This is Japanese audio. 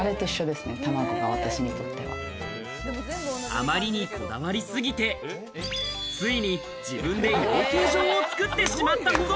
あまりに、こだわりすぎてついに自分で養鶏場を作ってしまったほど。